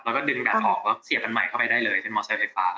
แล้วก็ดึงดันออกแล้วเสียบกันใหม่เข้าไปได้เลยเป็นมอเซอร์ไฟฟ้า